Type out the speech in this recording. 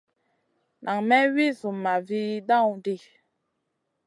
Nan may wi Zumma vi dawn ɗi.